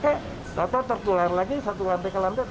ternyata tertular lagi satu lantai ke lantai